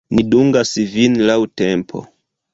Ni dungas vin laŭ tempo.